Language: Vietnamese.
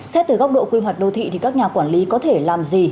xét từ góc độ quy hoạch đô thị thì các nhà quản lý có thể làm gì